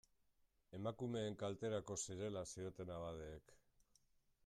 Emakumeen kalterako zirela zioten abadeek.